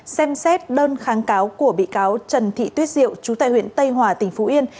xem xét đơn kháng cáo của bị cáo trần thị tuyết diệu chú tại huyện tây hòa tỉnh phú yên